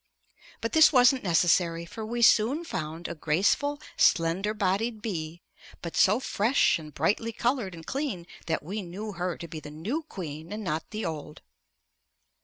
But this wasn't necessary, for we soon found a graceful, slender bodied bee, but so fresh and brightly colored and clean that we knew her to be the new queen and not the old.